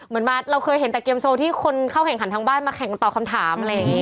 แบบเราเคยเห็นเกมโชว์ที่เกมสมันมาแข่งต่อคำถาม